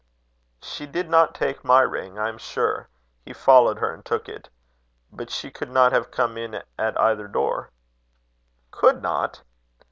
"She did not take my ring, I am sure. He followed her, and took it. But she could not have come in at either door " "Could not?